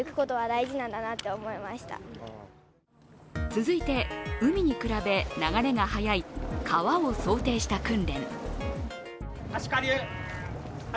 続いて、海に比べ流れが速い川を想定した訓練。